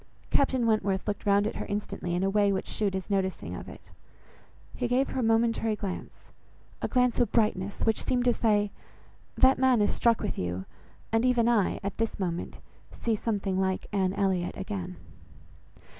Captain Wentworth looked round at her instantly in a way which shewed his noticing of it. He gave her a momentary glance, a glance of brightness, which seemed to say, "That man is struck with you, and even I, at this moment, see something like Anne Elliot again."